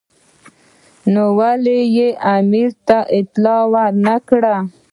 نو ولې یې امیر ته اطلاع ور نه کړه.